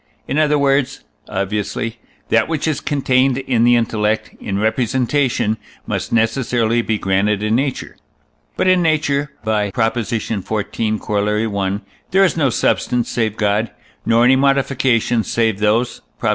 in other words (obviously), that which is contained in the intellect in representation must necessarily be granted in nature. But in nature (by Prop. xiv., Coroll. i.) there is no substance save God, nor any modifications save those (Prop.